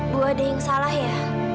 bu ada yang salah ya